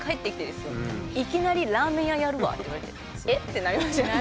いきなり「ラーメン屋やるわ」って言われて「え？」ってなりますよね。